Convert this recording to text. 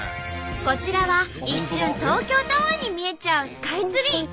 こちらは一瞬東京タワーに見えちゃうスカイツリー。